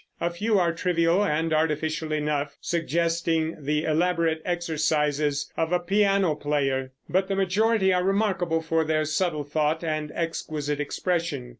A few are trivial and artificial enough, suggesting the elaborate exercises of a piano player; but the majority are remarkable for their subtle thought and exquisite expression.